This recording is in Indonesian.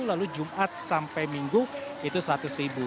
lalu jumat sampai minggu itu rp seratus